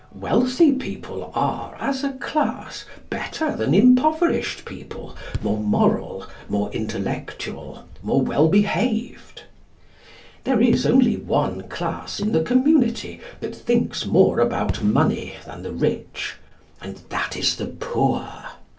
Wealthy people are, as a class, better than impoverished people, more moral, more intellectual, more well behaved. There is only one class in the community that thinks more about money than the rich, and that is the poor.